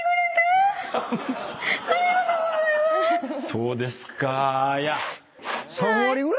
そうですか。